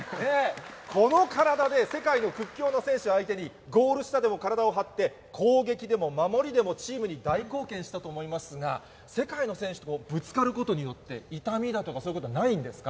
この体で、世界の屈強な選手を相手に、ゴール下でも体を張って、攻撃でも守りでもチームに大貢献したと思いますが、世界の選手とぶつかることによって、痛みだとか、そういうことはないんですか。